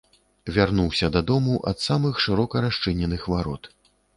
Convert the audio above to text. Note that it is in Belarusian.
Вярнуўся дадому ад самых шырока расчыненых варот.